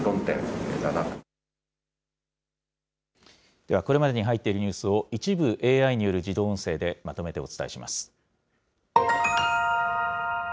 ではこれまでに入っているニュースを、一部ＡＩによる自動音声でまとめてお伝えします。